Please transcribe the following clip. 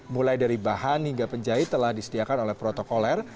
mulai dari bahan hingga penjahit telah disediakan oleh protokoler